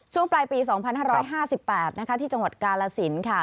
ช่วงปลายปีสองพันห้าร้อยห้าสิบแปดนะคะที่จังหวัดกาลสินค่ะ